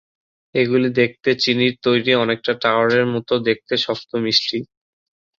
এগুলি দেখতে চিনির তৈরি অনেকটা টাওয়ারের মত দেখতে শক্ত মিষ্টি।